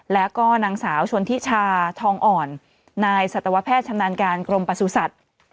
แล้วก็นางสาวชนทิชาทองอ่อนนายสัตวแพทย์ชำนาญการกรมประสุทธิ์